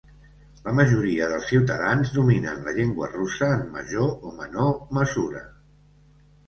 La majoria dels ciutadans dominen la llengua russa en major o menor mesura.